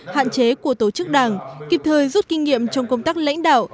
hạn chế của tổ chức đảng kịp thời rút kinh nghiệm trong công tác lãnh đạo